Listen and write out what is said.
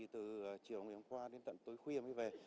từ chiều ngày hôm qua đến tận tối khuya mới về